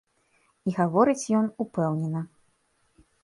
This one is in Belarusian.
І гаворыць ён упэўнена.